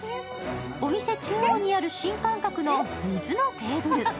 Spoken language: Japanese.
お店中央にある新感覚の水のテーブル。